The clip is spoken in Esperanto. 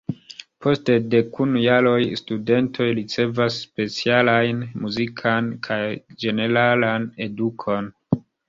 Post dekunu jaroj studentoj ricevas specialajn muzikan kaj ĝeneralan edukon.